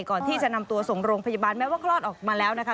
ก่อนที่จะนำตัวส่งโรงพยาบาลแม้ว่าคลอดออกมาแล้วนะคะ